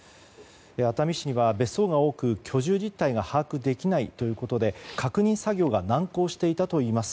熱海市には別荘が多く居住実態が把握できないということで確認作業が難航していたといいます。